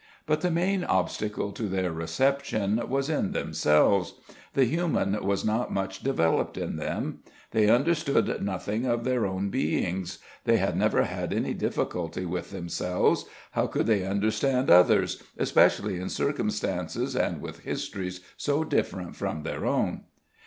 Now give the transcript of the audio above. But the main obstacle to their reception was in themselves: the human was not much developed in them; they understood nothing of their own beings; they had never had any difficulty with themselves: how could they understand others, especially in circumstances and with histories so different from their own!